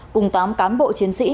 cùng tám cám bộ chiến sĩ